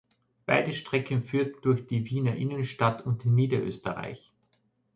Beide Strecken führten durch die Wiener Innenstadt und Niederösterreich.